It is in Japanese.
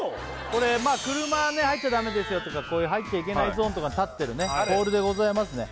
これ車入っちゃダメですよとか入っちゃいけないゾーンとかに立ってるポールでございますね